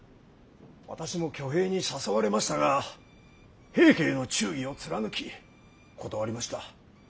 私も挙兵に誘われましたが平家への忠義を貫き断りました。